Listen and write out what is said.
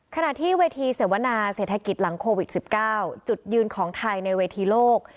ขณะที่เวทีเสวนาเศรษฐกิจหลังโควิด๑๙จุดยืนของไทยในเวทีโลก